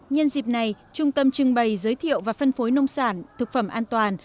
nhân dịp này trung tâm trưng bày giới thiệu và phân phối nông sản thực phẩm an toàn